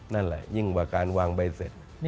นั่นแหละยิ่งกว่าการวางใบเสร็จ